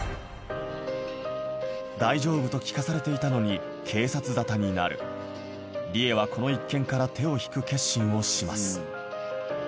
大丈夫と聞かされていたのに警察沙汰になるこの一件からをします